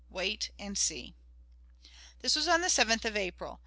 Wait and see._" This was on the 7th of April.